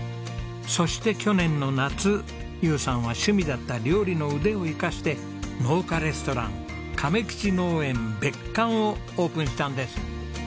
そして去年の夏友さんは趣味だった料理の腕を生かして農家レストラン亀吉農園別館をオープンしたんです。